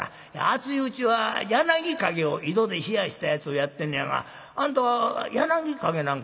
暑いうちは柳陰を井戸で冷やしたやつをやってんねやがあんたは柳陰なんか飲んでか？」。